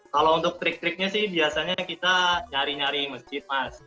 kalau untuk trik triknya sih biasanya kita nyari nyari masjid mas